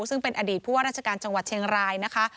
ซึ่งเป็นอดีตผู้ว่าราชการจังหวัดเชียงรายนะคะ